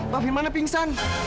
pak firmannya pingsan